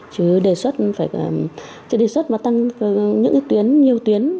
chứ đề xuất mà tăng những tuyến nhiều tuyến